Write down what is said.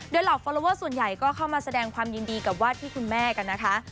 โดยเหล่าฟอลลอเวอร์ส่วนใหญ่ก็เข้ามาแสดงความยินดีกับวาดที่คุณแม่กันนะคะ